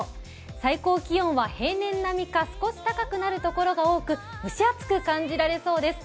最高気温は平年並みか少し高くなるところが多く蒸し暑く感じられそうです。